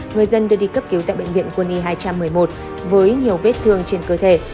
người dân đưa đi cấp cứu tại bệnh viện quân y hai trăm một mươi một với nhiều vết thương trên cơ thể